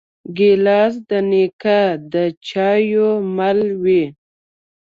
ګیلاس د نیکه د چایو مل وي.